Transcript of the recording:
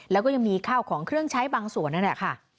แล้วก็ยังมีข้าวของเครื่องใช้บางส่วนนั่นแหละค่ะ